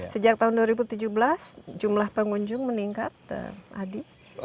sejak tahun dua ribu tujuh belas jumlah pengunjung meningkat adi